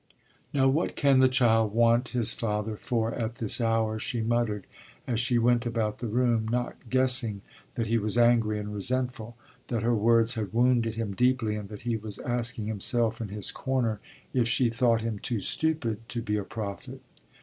Now what can the child want his father for at this hour? she muttered as she went about the room, not guessing that he was angry and resentful, that her words had wounded him deeply and that he was asking himself, in his corner, if she thought him too stupid to be a prophet.